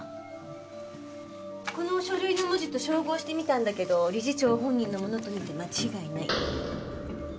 この書類の文字と照合してみたんだけど理事長本人のものと見て間違いない。